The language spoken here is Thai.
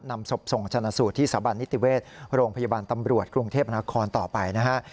นำศพส่งชนะสูตรที่สถาบันนิติเวชโรงพยาบาลตำรวจกรุงเทพนครต่อไปนะฮะ